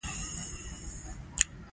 نجلۍ د سپوږمۍ په شان ده.